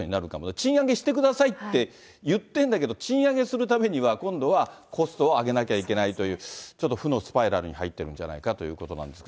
賃上げしてくださいって言ってんだけど、賃上げするためには、今度はコストを上げなきゃいけないという、ちょっと負のスパイラルに入ってるんじゃないかということなんですが。